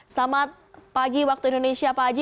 selamat pagi waktu indonesia pak haji